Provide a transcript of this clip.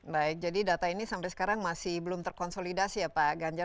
baik jadi data ini sampai sekarang masih belum terkonsolidasi ya pak ganjar